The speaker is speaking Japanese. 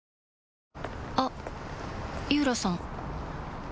あっ井浦さん